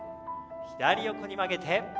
左横に曲げて。